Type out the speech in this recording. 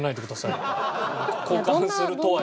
交換するとはいえ。